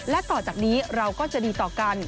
และต่อจากนี้เราก็จะดีต่อกัน